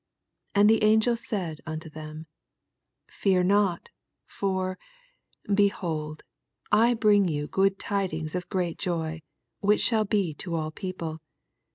10 And the angel eaid nnto them, Fear not: for, behold, I bring yon food tidings of great joy, which shall e to all people.